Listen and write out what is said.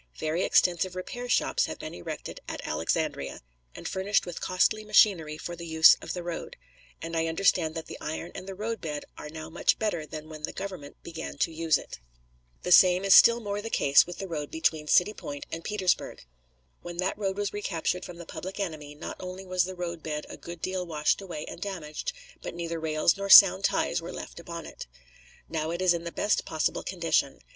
Very extensive repair shops have been erected at Alexandria, and furnished with costly machinery for the use of the road, and I understand that the iron and the roadbed are now much better than when the Government began to use it. The same is still more the case with the road between City Point and Petersburg. When that road was recaptured from the public enemy not only was the roadbed a good deal washed away and damaged, but neither rails nor sound ties were left upon it. Now it is in the best possible condition.